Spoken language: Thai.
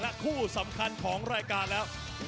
และคู่สำคัญของรายการแล้ว